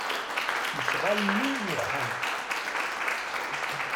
Lecɣal-nni n uxxam.